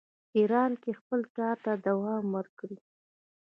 ایران کې خپل کار ته دوام ورکړي.